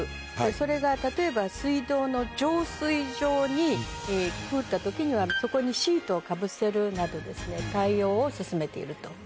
それが例えば水道の浄水場に降った時にはそこにシートをかぶせるなど対応を進めている。